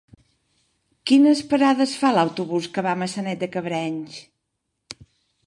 Quines parades fa l'autobús que va a Maçanet de Cabrenys?